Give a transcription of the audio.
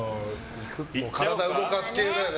体動かす系だよね。